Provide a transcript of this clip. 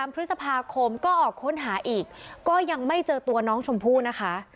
พฤษภาคมก็ออกค้นหาอีกก็ยังไม่เจอตัวน้องชมพู่นะคะ